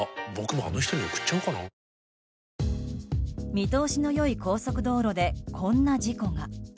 見通しの良い高速道路でこんな事故が。